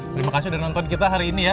terima kasih sudah nonton kita hari ini ya